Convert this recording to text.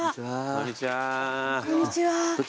こんにちは。